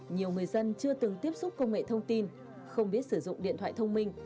nhiều người dân chưa từng tiếp xúc công nghệ thông tin không biết sử dụng điện thoại thông minh